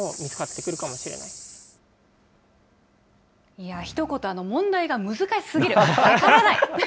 いや、ひと言、問題が難しすぎる、分からない。